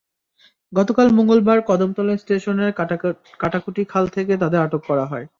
গতকাল মঙ্গলবার কদমতলা স্টেশনের কাটাকুটি খাল থেকে তাঁদের আটক করা হয়।